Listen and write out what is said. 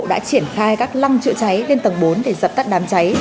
đã triển khai các lăng chữa cháy lên tầng bốn để dập tắt đám cháy